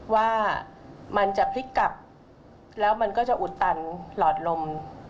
ว่ามันจะพลิกกลับแล้วมันก็จะอุดตันหลอดลม